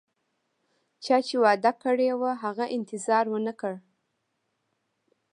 چا چې وعده کړي وه، هغه انتظار ونه کړ